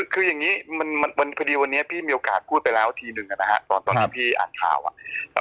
คืออย่างนี้มันปะดิวันนี้พี่มีโอกาสพูดไปแล้วทีนึงนะฮะตอนที่พี่อ่านข่าว